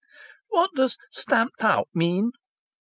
"What does 'stamped out' mean?"